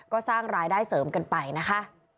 ก็สร้างรายได้เสริมกันไปนะคะ